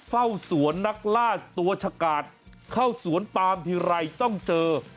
เฝ้าสวนนักล่าตัวชะกาดเข้าสวนปามทีไรต้องเจอ